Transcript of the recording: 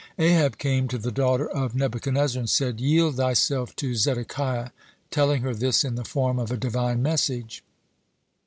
Ahab came to the daughter of Nebuchadnezzar and said: "Yield thyself to Zedekiah," telling her this in the form of a Divine message.